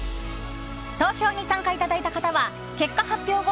投票に参加いただいた方は結果発表後